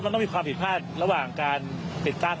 ก็น่าจะมีขอผิดพลาดระหว่างการติดตั้ง